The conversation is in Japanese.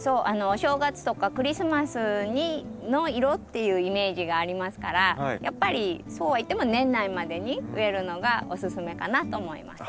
お正月とかクリスマスの色っていうイメージがありますからやっぱりそうは言っても年内までに植えるのがおすすめかなと思います。